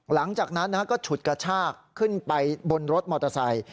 หลังจากนั้นก็ฉุดกระชากขึ้นไปบนรถมอเตอร์ไซค์